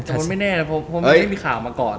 แต่ผมไม่แน่นะผมไม่มีข่าวมาก่อน